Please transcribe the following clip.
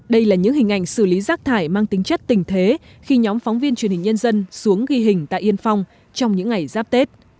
đây là những hình ảnh xử lý rác thải mang tính chất tình thế khi nhóm phóng viên truyền hình nhân dân xuống ghi hình tại yên phong trong những ngày giáp tết